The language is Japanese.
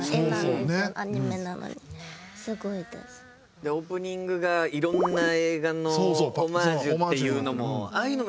でオープニングがいろんな映画のオマージュっていうのも。